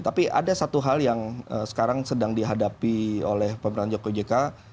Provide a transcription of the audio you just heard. tapi ada satu hal yang sekarang sedang dihadapi oleh pemerintahan jokowi jk